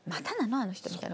あの人みたいな。